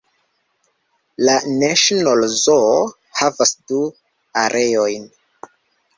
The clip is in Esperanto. La "National Zoo" havas du areojn.